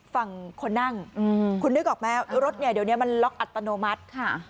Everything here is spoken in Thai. ฝั่งคนนั่งคุณนึกออกไหมรถเนี่ยเดี๋ยวนี้มันล็อกอัตโนมัติ